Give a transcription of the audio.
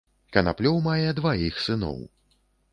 Канаплёў мае дваіх сыноў.